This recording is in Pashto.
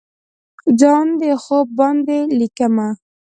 ځان ته خوب باندې لیکمه